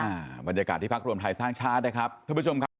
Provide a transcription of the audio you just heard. อ่าบรรยากาศหีพรรครุมไทยสร้างชาตินะครับทุกผู้ชม